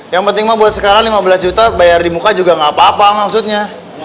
yang penting mah buat sekarang lima belas juta bayar di muka juga nggak apa apa maksudnya